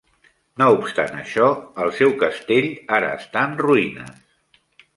No obstant això, el seu castell ara està en ruïnes.